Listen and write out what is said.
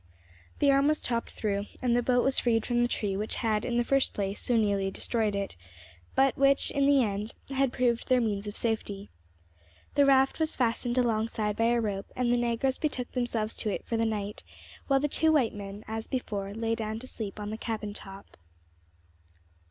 The arm was chopped through, and the boat was freed from the tree which had, in the first place, so nearly destroyed it, but which, in the end, had proved their means of safety. The raft was fastened alongside by a rope, and the negroes betook themselves to it for the night, while the two white men, as before, lay down to sleep on the cabin top.